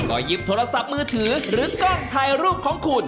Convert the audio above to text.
ก็หยิบโทรศัพท์มือถือหรือกล้องถ่ายรูปของคุณ